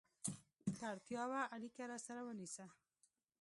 که اړتیا وه، اړیکه راسره ونیسه!